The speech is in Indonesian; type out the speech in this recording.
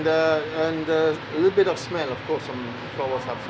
dan sedikit rasa tentu saja ada rasa juga